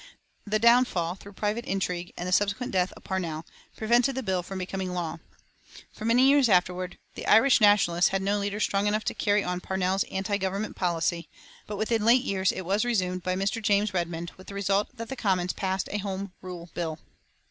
The downfall, through private intrigue, and the subsequent death of Parnell prevented the bill from becoming law. For many years afterward the Irish Nationalists had no leader strong enough to carry on Parnell's anti government policy, but within late years it was resumed by Mr. James Redmond, with the result that the Commons passed a Home Rule Bill.